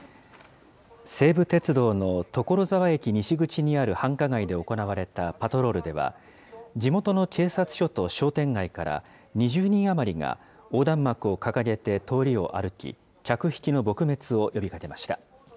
西武鉄道の所沢駅西口にある繁華街で行われたパトロールでは、地元の警察署と商店街から２０人余りが横断幕を掲げて通りを歩き、客引きの撲滅を呼びかけました。